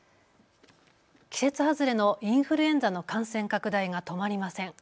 季節外れのインフルエンザの感染拡大が止まりません。